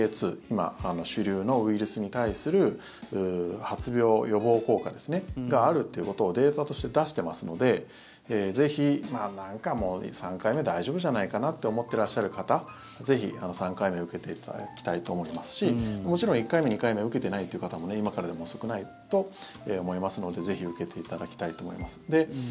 ２今、主流のウイルスに対する発病予防効果があるということをデータとして出してますのでぜひなんかもう、３回目大丈夫じゃないかなって思ってらっしゃる方ぜひ３回目受けていただきたいと思いますしもちろん１回目、２回目受けてないという方も今からでも遅くないと思いますのでぜひ受けていただきたいと思います。